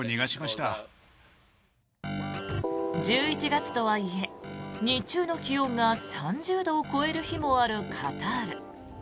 １１月とはいえ日中の気温が３０度を超える日もあるカタール。